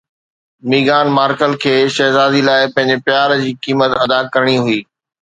ميغان MARKAL کي شهزادي لاءِ پنهنجي پيار جي قيمت ادا ڪرڻي هئي